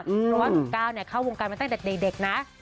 เพราะว่าหนุ่มก้าวเข้าวงการมาตั้งแต่เด็กนะ